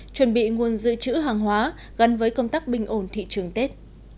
chuẩn bị nguồn dự trữ hàng hóa gắn với công tác bình ổn thị trường tết